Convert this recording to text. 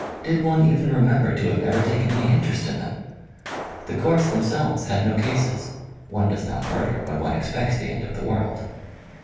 Did one even remember to have ever taken any interest in them ? The courts themselves had no cases ; one does not murder when one expects the end of the world.